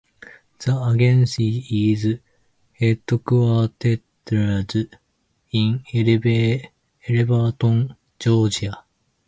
The agency is headquartered in Elberton, Georgia.